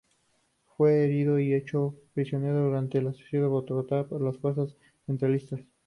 Fue herido y hecho prisionero durante el asedio a Bogotá por las fuerzas centralistas.